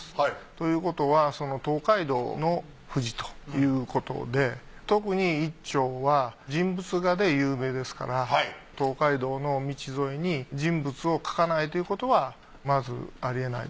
ということはその東海道の富士ということで特に一蝶は人物画で有名ですから東海道の道沿いに人物を描かないということはまずありえない。